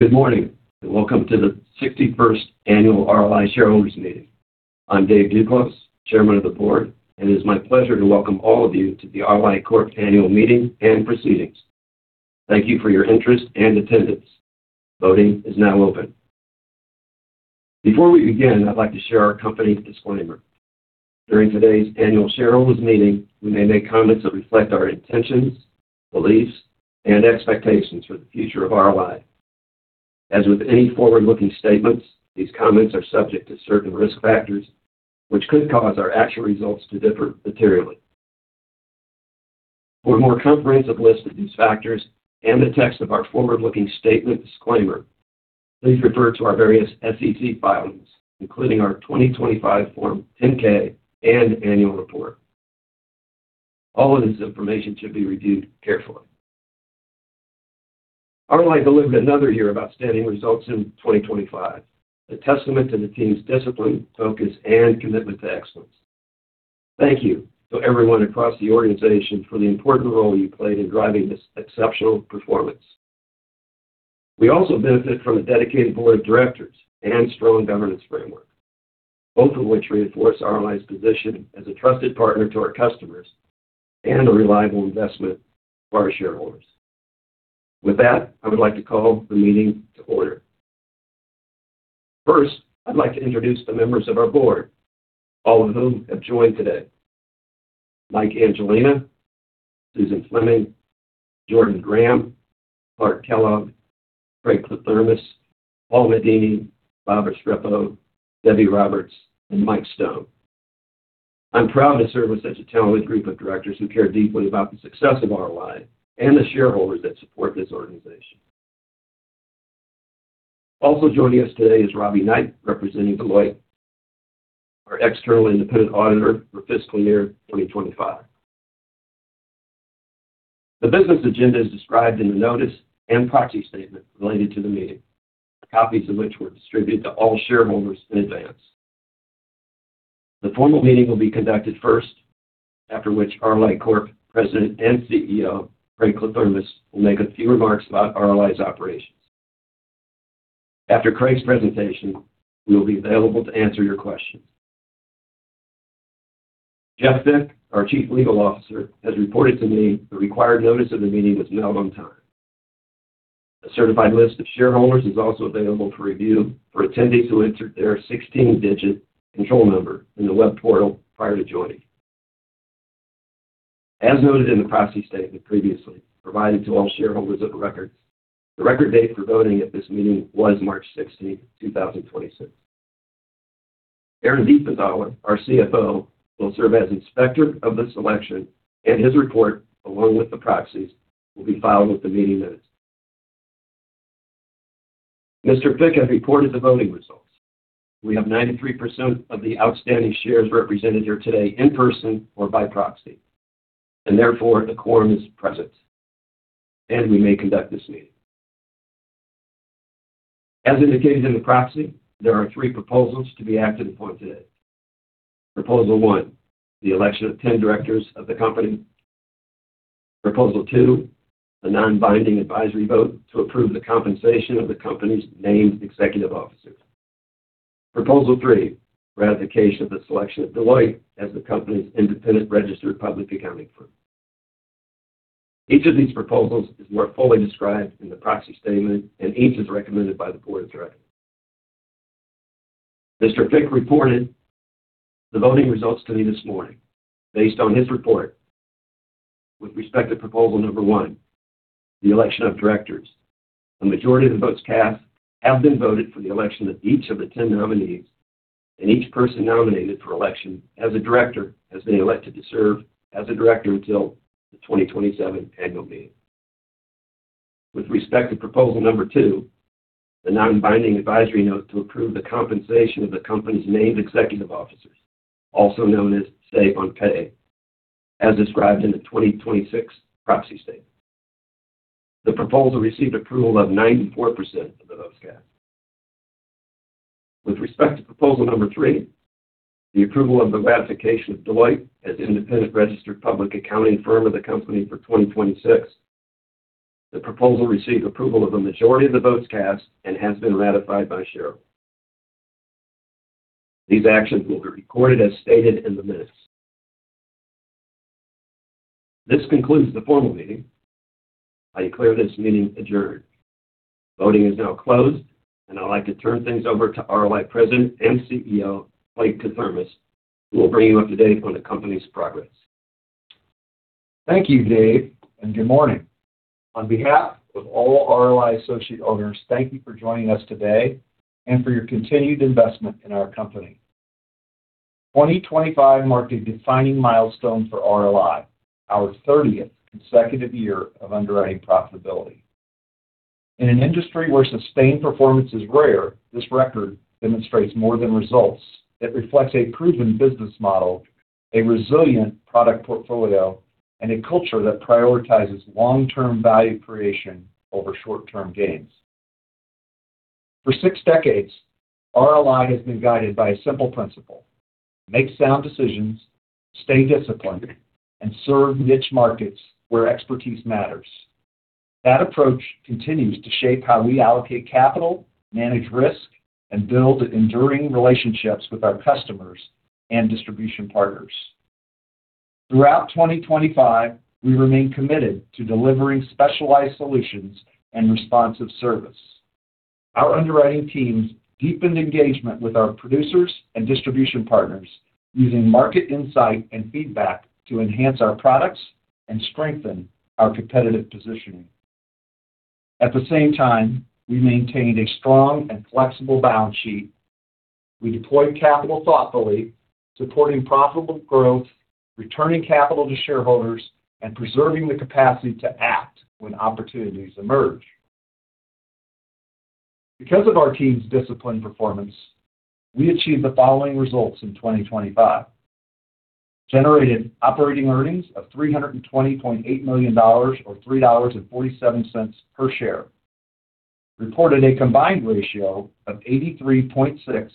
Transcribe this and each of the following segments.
Good morning, welcome to the 61st annual RLI shareholders meeting. I'm Dave Duclos, Chairman of the Board, and it is my pleasure to welcome all of you to the RLI Corp. Annual Meeting and Proceedings. Thank you for your interest and attendance. Voting is now open. Before we begin, I'd like to share our company disclaimer. During today's annual shareholders meeting, we may make comments that reflect our intentions, beliefs, and expectations for the future of RLI. As with any forward-looking statements, these comments are subject to certain risk factors which could cause our actual results to differ materially. For a more comprehensive list of these factors and the text of our forward-looking statement disclaimer, please refer to our various SEC filings, including our 2025 Form 10-K and annual report. All of this information should be reviewed carefully. RLI delivered another year of outstanding results in 2025, a testament to the team's discipline, focus, and commitment to excellence. Thank you to everyone across the organization for the important role you played in driving this exceptional performance. We also benefit from a dedicated board of directors and strong governance framework, both of which reinforce RLI's position as a trusted partner to our customers and a reliable investment for our shareholders. With that, I would like to call the meeting to order. First, I'd like to introduce the members of our board, all of whom have joined today. Mike Angelina, Susan Fleming, Jordan Graham, Clark Kellogg, Craig Kliethermes, Paul Medini, Robert Restrepo, Jr., Debbie Roberts, and Mike Stone. I'm proud to serve with such a talented group of directors who care deeply about the success of RLI and the shareholders that support this organization. Also joining us today is Robbie Knight, representing Deloitte, our external independent auditor for fiscal year 2025. The business agenda is described in the notice and proxy statement related to the meeting, copies of which were distributed to all shareholders in advance. The formal meeting will be conducted first, after which RLI Corp. President and CEO, Craig Kliethermes, will make a few remarks about RLI's operations. After Craig's presentation, we will be available to answer your questions. Jeff Fick, our Chief Legal Officer, has reported to me the required notice of the meeting was mailed on time. A certified list of shareholders is also available to review for attendees who entered their 16-digit control number in the web portal prior to joining. As noted in the proxy statement previously provided to all shareholders of the record, the record date for voting at this meeting was March 16, 2026. Aaron Diefenthaler, our CFO, will serve as inspector of this election, and his report, along with the proxies, will be filed with the meeting minutes. Mr. Fick has reported the voting results. We have 93% of the outstanding shares represented here today in person or by proxy, and therefore, a quorum is present, and we may conduct this meeting. As indicated in the proxy, there are three proposals to be acted upon today. Proposal One, the election of 10 directors of the company. Proposal Two, the non-binding advisory vote to approve the compensation of the company's named executive officers. Proposal Three, ratification of the selection of Deloitte as the company's independent registered public accounting firm. Each of these proposals is more fully described in the proxy statement. Each is recommended by the Board of Directors. Mr. Fick reported the voting results to me this morning. Based on his report, with respect to Proposal No. 1, the election of directors, a majority of the votes cast have been voted for the election of each of the 10 nominees. Each person nominated for election as a director has been elected to serve as a director until the 2027 annual meeting. With respect to Proposal No. 2, the non-binding advisory vote to approve the compensation of the company's named executive officers, also known as say-on-pay, as described in the 2026 proxy statement. The proposal received approval of 94% of the votes cast. With respect to Proposal No. 3, the approval of the ratification of Deloitte as independent registered public accounting firm of the company for 2026, the proposal received approval of a majority of the votes cast and has been ratified by shareholders. These actions will be recorded as stated in the minutes. This concludes the formal meeting. I declare this meeting adjourned. Voting is now closed, and I'd like to turn things over to RLI President and CEO, Craig Kliethermes, who will bring you up to date on the company's progress. Thank you, Dave. Good morning. On behalf of all RLI associate owners, thank you for joining us today and for your continued investment in our company. 2025 marked a defining milestone for RLI, our 30th consecutive year of underwriting profitability. In an industry where sustained performance is rare, this record demonstrates more than results. It reflects a proven business model, a resilient product portfolio, and a culture that prioritizes long-term value creation over short-term gains. For six decades, RLI has been guided by a simple principle: make sound decisions, stay disciplined, and serve niche markets where expertise matters. That approach continues to shape how we allocate capital, manage risk, and build enduring relationships with our customers and distribution partners. Throughout 2025, we remained committed to delivering specialized solutions and responsive service. Our underwriting teams deepened engagement with our producers and distribution partners using market insight and feedback to enhance our products and strengthen our competitive positioning. At the same time, we maintained a strong and flexible balance sheet. We deployed capital thoughtfully, supporting profitable growth, returning capital to shareholders, and preserving the capacity to act when opportunities emerge. Because of our team's disciplined performance, we achieved the following results in 2025. Generated operating earnings of $320.8 million or $3.47 per share. Reported a combined ratio of 83.6,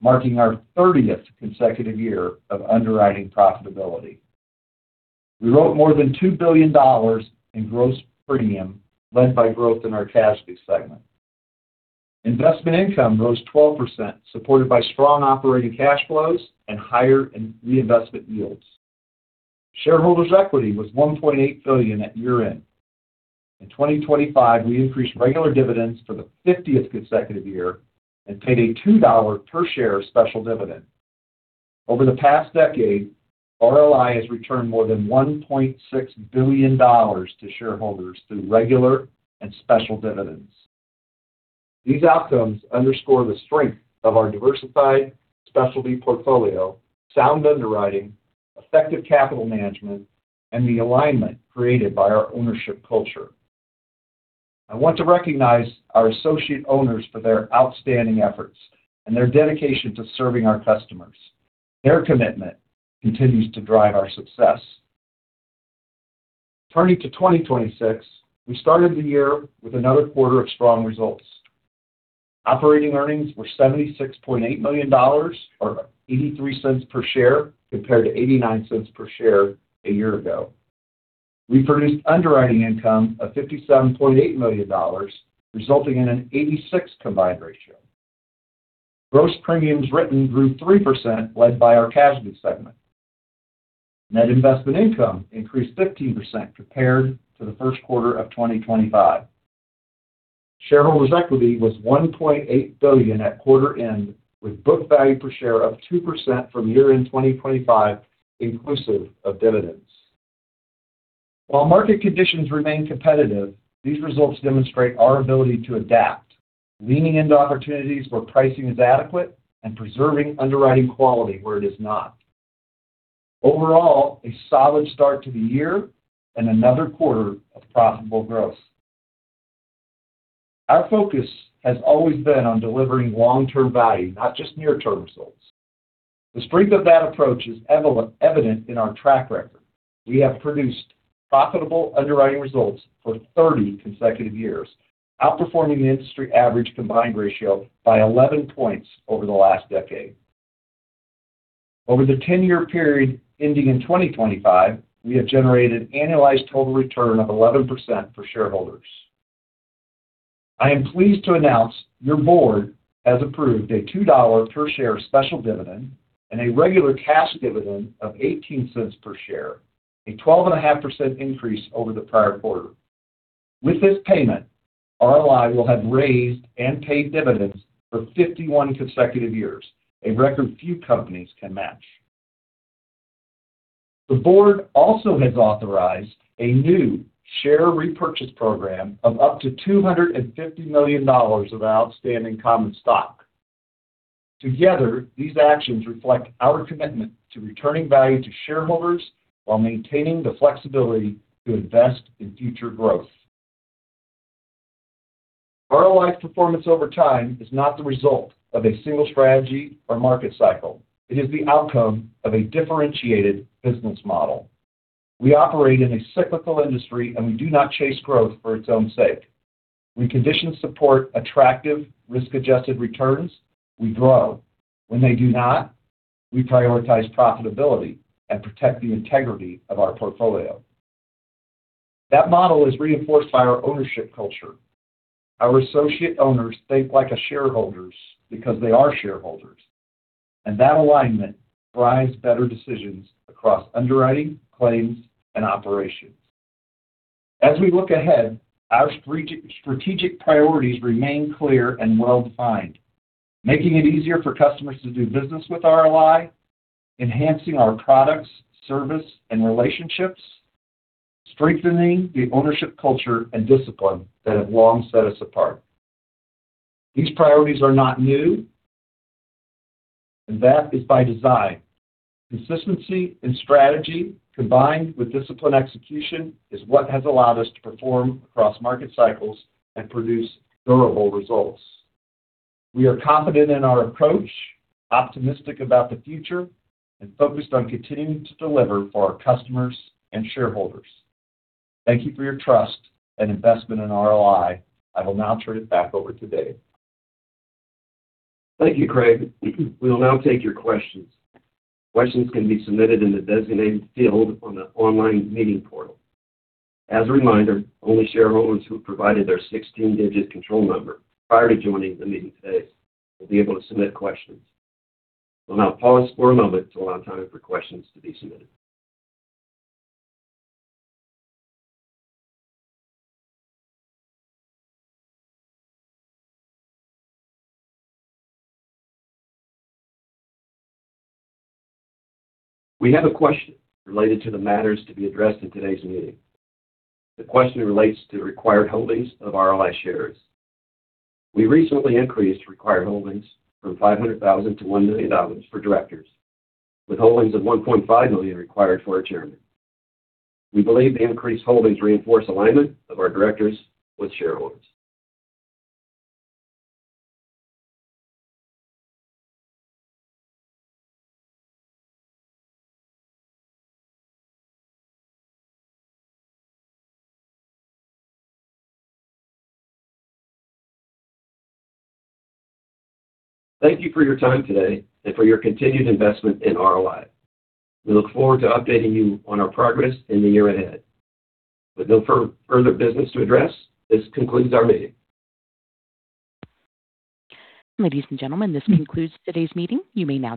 marking our 30th consecutive year of underwriting profitability. We wrote more than $2 billion in gross premium, led by growth in our casualty segment. Investment income rose 12%, supported by strong operating cash flows and higher reinvestment yields. Shareholders' equity was $1.8 billion at year-end. In 2025, we increased regular dividends for the 50th consecutive year and paid a $2 per share special dividend. Over the past decade, RLI has returned more than $1.6 billion to shareholders through regular and special dividends. These outcomes underscore the strength of our diversified specialty portfolio, sound underwriting, effective capital management, and the alignment created by our ownership culture. I want to recognize our associate owners for their outstanding efforts and their dedication to serving our customers. Their commitment continues to drive our success. Turning to 2026, we started the year with another quarter of strong results. Operating earnings were $76.8 million, or $0.83 per share, compared to $0.89 per share a year ago. We produced underwriting income of $57.8 million, resulting in an 86% combined ratio. Gross premiums written grew 3% led by our casualty segment. Net investment income increased 15% compared to the first quarter of 2025. Shareholders' equity was $1.8 billion at quarter end, with book value per share up 2% from year-end 2025, inclusive of dividends. While market conditions remain competitive, these results demonstrate our ability to adapt, leaning into opportunities where pricing is adequate and preserving underwriting quality where it is not. Overall, a solid start to the year and another quarter of profitable growth. Our focus has always been on delivering long-term value, not just near-term results. The strength of that approach is evident in our track record. We have produced profitable underwriting results for 30 consecutive years, outperforming the industry average combined ratio by 11 points over the last decade. Over the 10-year period ending in 2025, we have generated annualized total return of 11% for shareholders. I am pleased to announce your board has approved a $2 per share special dividend and a regular cash dividend of $0.18 per share, a 12.5% increase over the prior quarter. With this payment, RLI will have raised and paid dividends for 51 consecutive years, a record few companies can match. The board also has authorized a new share repurchase program of up to $250 million of outstanding common stock. Together, these actions reflect our commitment to returning value to shareholders while maintaining the flexibility to invest in future growth. RLI's performance over time is not the result of a single strategy or market cycle. It is the outcome of a differentiated business model. We operate in a cyclical industry, and we do not chase growth for its own sake. When conditions support attractive risk-adjusted returns, we grow. When they do not, we prioritize profitability and protect the integrity of our portfolio. That model is reinforced by our ownership culture. Our associate owners think like a shareholders because they are shareholders, and that alignment drives better decisions across underwriting, claims, and operations. As we look ahead, our strategic priorities remain clear and well-defined, making it easier for customers to do business with RLI, enhancing our products, service, and relationships, strengthening the ownership culture and discipline that have long set us apart. These priorities are not new, and that is by design. Consistency in strategy combined with disciplined execution is what has allowed us to perform across market cycles and produce durable results. We are confident in our approach, optimistic about the future, and focused on continuing to deliver for our customers and shareholders. Thank you for your trust and investment in RLI. I will now turn it back over to Dave. Thank you, Craig. We will now take your questions. Questions can be submitted in the designated field on the online meeting portal. As a reminder, only shareholders who have provided their 16-digit control number prior to joining the meeting today will be able to submit questions. We'll now pause for a moment to allow time for questions to be submitted. We have a question related to the matters to be addressed in today's meeting. The question relates to required holdings of RLI shares. We recently increased required holdings from $500,000 to $1 million for directors, with holdings of $1.5 million required for our chairman. We believe the increased holdings reinforce alignment of our directors with shareholders. Thank you for your time today and for your continued investment in RLI. We look forward to updating you on our progress in the year ahead. With no further business to address, this concludes our meeting. Ladies and gentlemen, this concludes today's meeting. You may now disconnect.